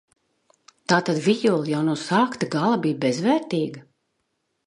Tātad vijole jau no sākta gala bija bezvērtīga?